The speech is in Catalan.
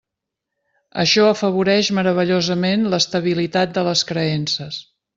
Això afavoreix meravellosament l'estabilitat de les creences.